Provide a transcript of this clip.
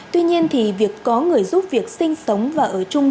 tuy nhiên thì việc có người giúp việc sinh sống và ở chung